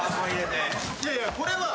いやいやこれは。